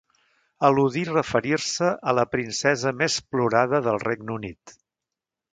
Eludí referir-se a la princesa més plorada del Regne Unit.